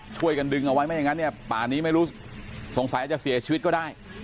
ช่วยกันดึงเอาไว้ไม่อย่างนั้นเนี่ยป่านี้ไม่รู้สงสัยอาจจะเสียชีวิตก็ได้